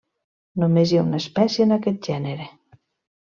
Només hi ha una espècie en aquest gènere.